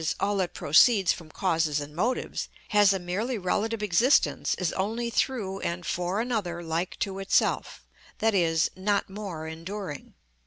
_, all that proceeds from causes and motives, has a merely relative existence, is only through and for another like to itself, i.e., not more enduring.